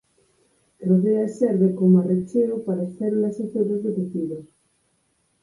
Rodea e serve coma recheo para as células e febras do tecido.